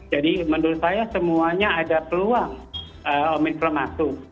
jadi menurut saya semuanya ada peluang omikron masuk